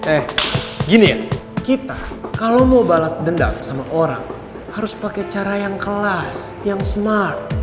eh gini kita kalau mau balas dendam sama orang harus pakai cara yang kelas yang smart